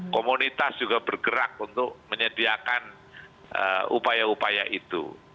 komunitas juga bergerak untuk menyediakan upaya upaya itu